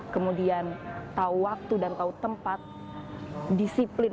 kemudian tahu waktu dan tahu tempat disiplin